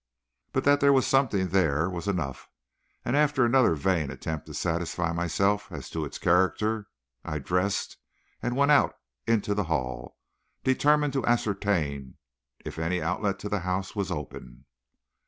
But that there was something there was enough, and after another vain attempt to satisfy myself as to its character, I dressed and went out into the hall, determined to ascertain if any outlet to the house was open.